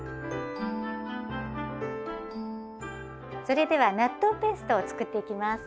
それでは納豆ペーストを作っていきます。